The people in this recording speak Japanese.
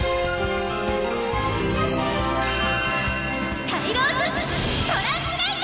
スカイローズトランスレイト！